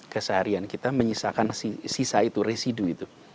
keseharian kita menyisakan sisa itu residu itu